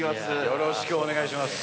よろしくお願いします。